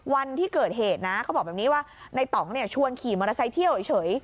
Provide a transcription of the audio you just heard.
วันที่เกิดเหตุนะเขาบอกแบบนี้ว่าในต่องชวนขี่มอเตอร์ไซค์เที่ยวเฉย